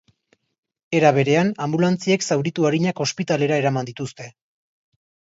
Era berean, anbulantziek zauritu arinak ospitalera eraman dituzte.